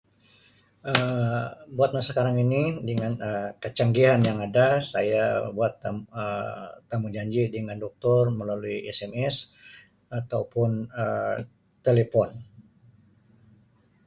Um Buat masa sekarang ini dengan Um kecanggihan yang ada saya buat Um temujanji dengan Doktor melalui SMS atau pun Um telefon.